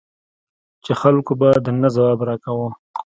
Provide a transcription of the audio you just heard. چې خلکو به د نه ځواب را کاوه.